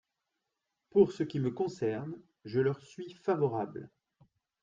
Pour ce qui me concerne, je leur suis favorable.